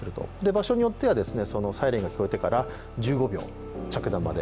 場所によってはサイレンが聞こえてから１５秒、着弾まで。